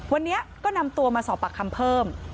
วันนี้ก็นำตัวมาสอบปากคำเพิ่ม